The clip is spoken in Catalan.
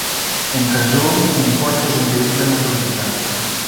En resum, un cotxe és un vehicle motoritzat.